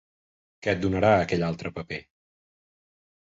Què et donarà aquell altre paper?